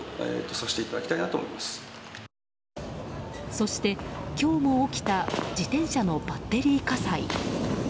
そして、今日も起きた自転車のバッテリー火災。